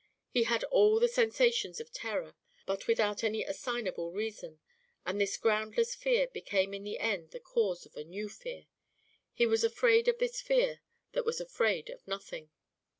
He had all the sensations of terror, but without any assignable reason, and this groundless fear became in the end the cause of a new fear: he was afraid of this fear that was afraid of nothing.